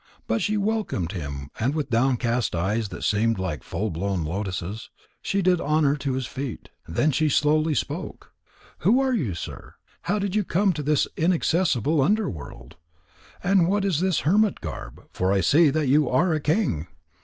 But she welcomed him and with downcast eyes that seemed like full blown lotuses she did honour to his feet. Then she slowly spoke: "Who are you, sir? How did you come to this inaccessible under world? And what is this hermit garb? For I see that you are a king.